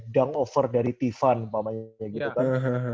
down over dari tivan umpamanya gitu kan